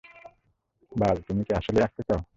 বাল, তুমি কি আসলেই আসতে চাও?